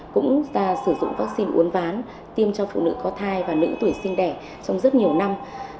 cũng ta sử dụng vắc xin uốn ván tiêm cho phụ nữ có thai và nữ tuổi sinh đẻ trong rất nhiều năm